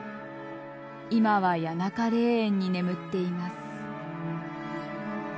今は谷中霊園に眠っています。